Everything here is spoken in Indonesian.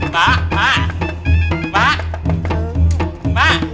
pak pak pak pak